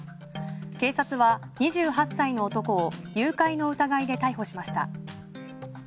警察は２８歳の男を誘拐の疑いで逮捕しました。